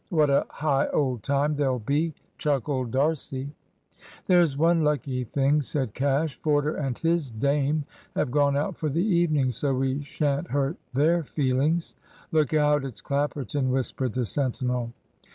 What a high old time there'll be!" chuckled D'Arcy. "There's one lucky thing," said Cash. "Forder and his dame have gone out for the evening; so we shan't hurt their feelings." "Look out it's Clapperton," whispered the sentinel.